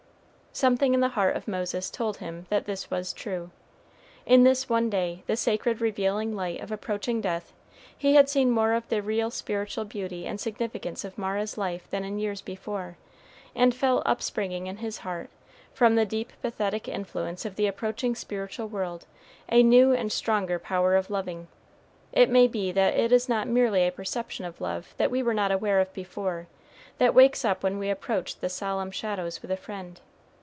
Something in the heart of Moses told him that this was true. In this one day the sacred revealing light of approaching death he had seen more of the real spiritual beauty and significance of Mara's life than in years before, and felt upspringing in his heart, from the deep pathetic influence of the approaching spiritual world a new and stronger power of loving. It may be that it is not merely a perception of love that we were not aware of before, that wakes up when we approach the solemn shadows with a friend.